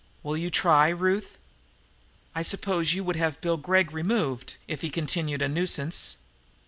Will you try, Ruth?" "I suppose you would have Bill Gregg removed if he continued a nuisance?"